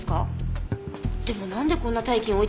でもなんでこんな大金置いてったんでしょう？